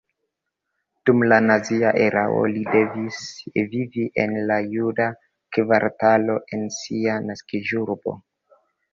Dum la nazia erao li devis vivi en la juda kvartalo en sia naskiĝurbo.